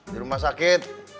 di rumah sakit